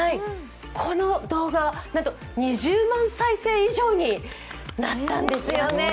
この動画、なんと２０万再生以上になったんですよね。